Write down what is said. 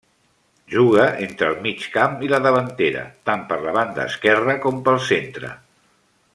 Juga entre el migcamp i la davantera, tant per la banda esquerra com pel centre.